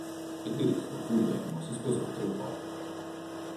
Federico Guglielmo si sposò tre volte.